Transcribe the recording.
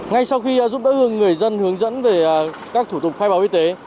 ngay sau khi giúp đỡ người dân hướng dẫn về các thủ tục khai báo y tế